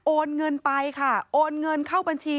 โอนเงินไปค่ะโอนเงินเข้าบัญชี